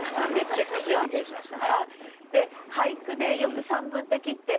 めちゃくちゃ理解しました。